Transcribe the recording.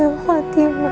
allah pat traditions